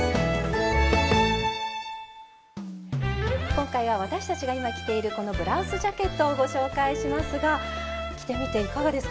今回は私たちが今着ているこのブラウスジャケットをご紹介しますが着てみていかがですか？